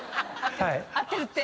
合ってるって！